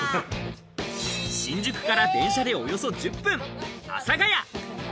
新宿から電車でおよそ１０分、阿佐ヶ谷。